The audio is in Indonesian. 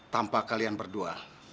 tanpa kalian berdua